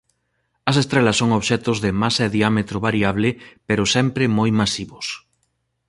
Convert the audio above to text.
As estrelas son obxectos de masa e diámetro variable pero sempre moi masivos.